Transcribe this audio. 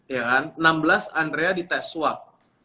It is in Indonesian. ya kan enam belas andrea di tes swab